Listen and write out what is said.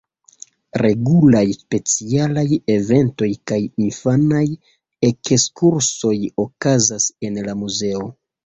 Regulaj specialaj eventoj kaj infanaj ekskursoj okazas en la muzeo.